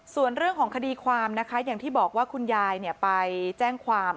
ส่วนเรื่องของคดีความนะคะอย่างที่บอกว่าคุณยายไปแจ้งความ